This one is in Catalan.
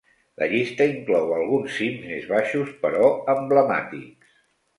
La llista inclou alguns cims més baixos però emblemàtics.